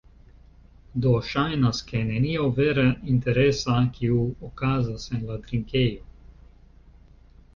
Do, ŝajnas, ke nenio vera interesa, kiu okazas en la drinkejo